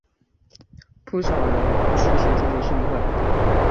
不少人出席这次盛会。